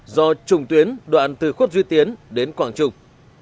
do trùng tuyến đoạn từ khuất duy tiến đến quảng trung